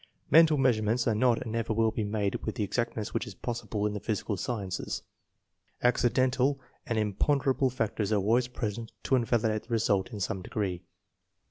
Mental measurements are not and never will be made with the exactness which is possible in the physical sciences. " Accidental " and imponderable factors are always present to invalidate the result in some degree.